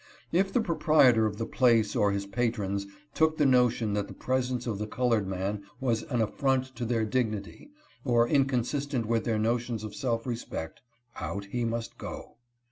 If the proprietor of the place or his patrons took the notion that the presence of the colored man was an affront to their dignity or inconsistent with their notions of self respect, out he must go.